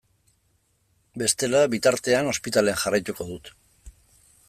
Bestela, bitartean, ospitalean jarraituko dut.